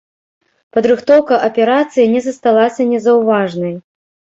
Падрыхтоўка аперацыі не засталася незаўважанай.